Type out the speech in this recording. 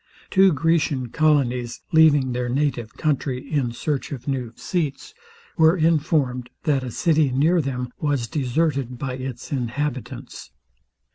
Two Grecian colonies, leaving their native country, in search of new feats, were informed that a city near them was deserted by its inhabitants.